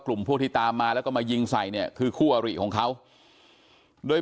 กลุ่มพวกที่ตามมาแล้วก็มายิงใส่เนี่ยคือคู่อริของเขาโดย